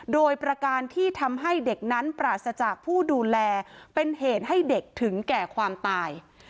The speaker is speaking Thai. โดยประการที่ทำให้เด็กนั้นปราศจากผู้ดูแลเป็นเหตุให้เด็กถึงแก่ความตาย